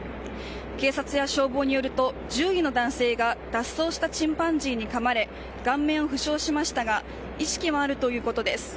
警察や消防によると、獣医の男性が脱走したチンパンジーにかまれ、顔面を負傷しましたが、意識はあるということです。